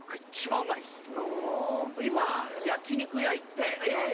今焼き肉屋行ってええ